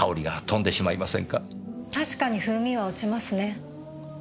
確かに風味は落ちますね。